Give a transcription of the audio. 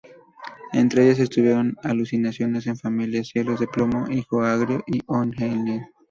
Entre ellas, estuvieron Alucinaciones en Familia, Cielos de plomo, Hijo Agrio y O'neill.